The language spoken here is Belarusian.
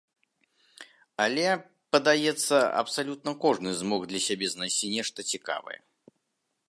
Але, падаецца, абсалютна кожны змог для сябе знайсці нешта цікавае.